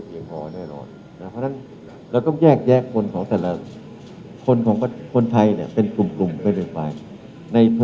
เพราะฉะนั้นเราต้องแยกคนของแต่ละคนคนไทยเป็นกลุ่มเป็นหนึ่งไป